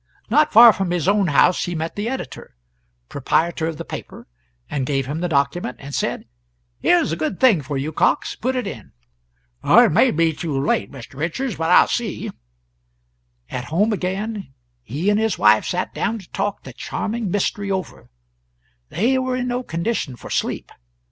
Not far from his own house he met the editor proprietor of the paper, and gave him the document, and said "Here is a good thing for you, Cox put it in." "It may be too late, Mr. Richards, but I'll see." At home again, he and his wife sat down to talk the charming mystery over; they were in no condition for sleep.